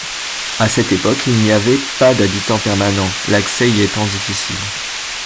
À cette époque, il n'y avait pas d'habitants permanents, l'accès y étant difficile.